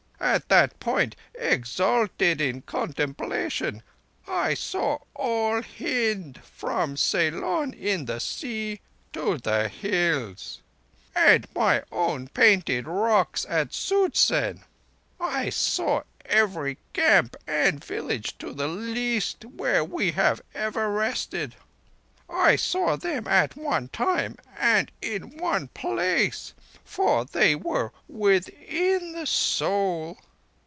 At that point, exalted in contemplation, I saw all Hind, from Ceylon in the sea to the Hills, and my own Painted Rocks at Such zen; I saw every camp and village, to the least, where we have ever rested. I saw them at one time and in one place; for they were within the Soul.